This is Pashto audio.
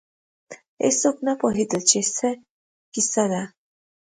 هېڅوک نه پوهېدل چې څه کیسه ده.